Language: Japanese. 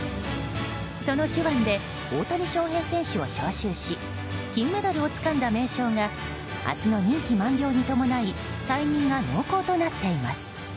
その手腕で大谷翔平選手を招集し金メダルをつかんだ名将が明日の任期満了に伴い退任が濃厚となっています。